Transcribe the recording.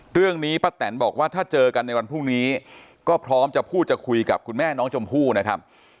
เรื่องนี้ป้าแตนบอกว่าถ้าเจอกันในวันพรุ่งนี้ก็พร้อมจะพูดจะคุยกับคุณแม่น้องชมพู่นะครับ